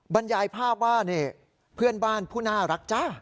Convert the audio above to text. บรรยายภาพว่านี่เพื่อนบ้านผู้น่ารักจ้า